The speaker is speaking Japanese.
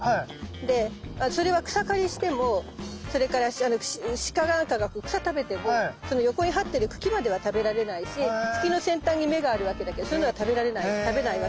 でそれは草刈りしてもそれからシカなんかが草食べてもその横にはってる茎までは食べられないし茎の先端に芽があるわけだけどそういうのは食べられない食べないわけ。